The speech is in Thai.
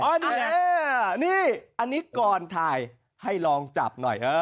อันนี้อันนี้ก่อนถ่ายให้ลองจับหน่อย